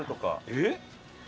えっ？